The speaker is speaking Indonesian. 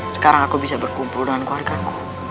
sekarang aku bisa berkumpul dengan keluarga ku